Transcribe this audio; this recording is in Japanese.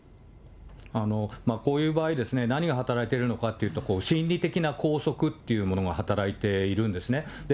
こういう場合ですね、何が働いてるのかというと、心理的な拘束っていうものが働いているんですね。